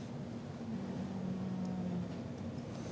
うん。